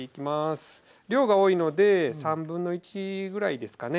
量が多いので1/3ぐらいですかね。